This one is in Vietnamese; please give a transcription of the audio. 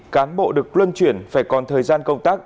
cán bộ được luân chuyển phải còn thời gian công tác